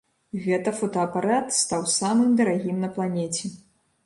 Гэта фотаапарат стаў самым дарагім на планеце.